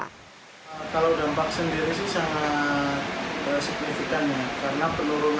kalau dampak sendiri sih sangat signifikannya